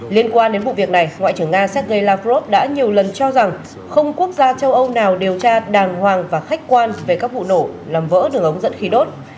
liên quan đến vụ việc này ngoại trưởng nga sergei lavrov đã nhiều lần cho rằng không quốc gia châu âu nào điều tra đàng hoàng và khách quan về các vụ nổ làm vỡ đường ống dẫn khí đốt